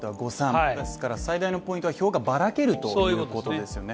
最大のポイントは、票がばらけるということですよね。